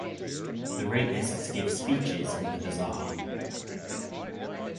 The rapists give speeches in the bazaar.